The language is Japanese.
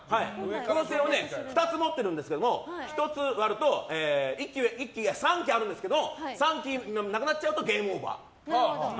風船を２つ持ってるんですけど３機あるんですけど３機なくなっちゃうとゲームオーバー。